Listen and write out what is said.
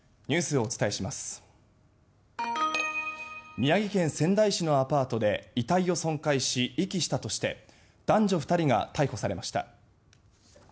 宮城県仙台市のアパートで遺体を損壊し、遺棄したとして男女２人が逮捕されました。